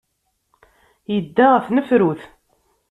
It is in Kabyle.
Yedda ɣer tnefrut.